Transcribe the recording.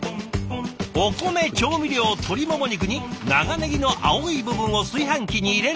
お米調味料鶏もも肉に長ネギの青い部分を炊飯器に入れるだけ。